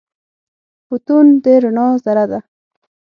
فوتون د رڼا ذره ده.